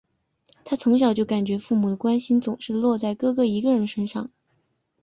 她从小就感觉父母的关心总是落在哥哥一个人的身上。